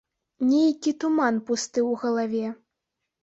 Нейкі туман пусты ў галаве.